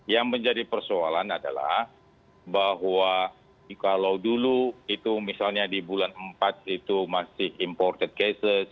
yang menjadi persoalan adalah bahwa kalau dulu itu misalnya di bulan empat itu masih imported cases